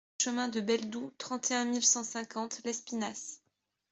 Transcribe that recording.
CHEMIN DE BELDOU, trente et un mille cent cinquante Lespinasse